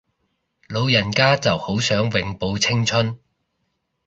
老人家就好想永葆青春